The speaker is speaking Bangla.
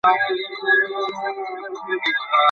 কেমন লাগতেছে তোর?